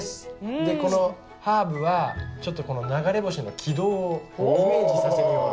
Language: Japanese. でこのハーブは流れ星の軌道をイメージさせるような。